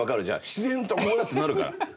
自然とこれだ！ってなるから。